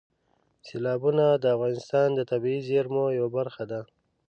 سیلابونه د افغانستان د طبیعي زیرمو یوه برخه ده.